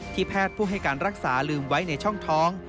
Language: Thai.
แพทย์ผู้ให้การรักษาลืมไว้ในช่องท้อง